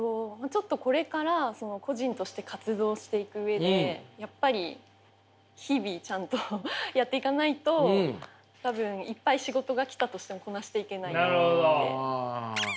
ちょっとこれから個人として活動をしていく上でやっぱり日々ちゃんとやっていかないと多分いっぱい仕事が来たとしてもこなしていけないと思って。